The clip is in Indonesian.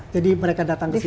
jadi mereka datang ke sini